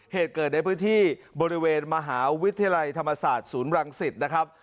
เหตุเกิดในพื้นที่บริเวณมหาวิทยาลัยธรรมศาสตร์ศูนย์รังสิตนะครับ